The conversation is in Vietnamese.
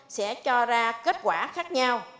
sẽ cho ra kết quả khác nhau